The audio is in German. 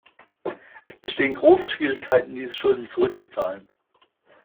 Es bestehen große Schwierigkeiten, diese Schulden zurückzuzahlen.